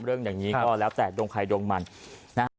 เรื่องอย่างนี้ก็แล้วแต่ดวงใครดวงมันนะฮะ